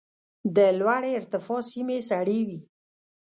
د لوړې ارتفاع سیمې سړې وي.